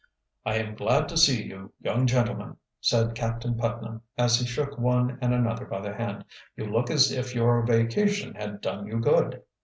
"I am glad to see you, young gentlemen," said Captain Putnam, as he shook one and another by the hand. "You look as if your vacation had done you good."